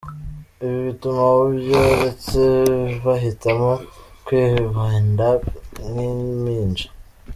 Ibi bituma abo byoretse bahitamo kwibinda nk’impinja.